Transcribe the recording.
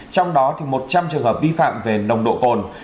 trong đó một trăm linh trường hợp vi phạm về nồng độ cồn